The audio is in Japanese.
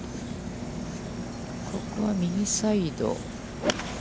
ここは右サイド。